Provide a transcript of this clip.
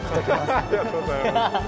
ハハッありがとうございます。